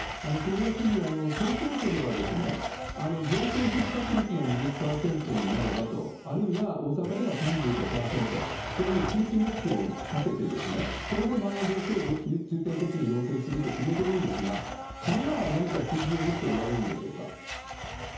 黒岩知事、東京都では、病床ひっ迫率が２０％になればと、あるいは大阪では３５％という数値目標を立てて、それでまん延防止等重点措置の要請をすると決めているんですが、神奈川は何か数字を持っておられるんでしょうか？